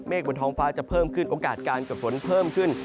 บนท้องฟ้าจะเพิ่มขึ้นโอกาสการเกิดฝนเพิ่มขึ้น